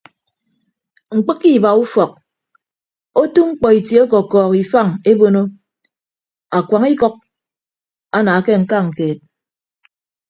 Mkpịkke iba ufọk otu mkpọ itie ọkọkọọk ifañ ebono akuañ ikʌk ana ke ñkañ keed.